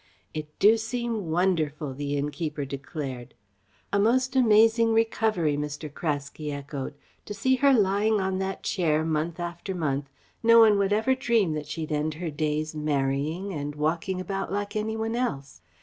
"It do seem wonderful!" the innkeeper declared. "A most amazing recovery," Mr. Craske echoed. "To see her lying on that chair month after month, no one would ever dream that she'd end her days marrying and walking about like any one else.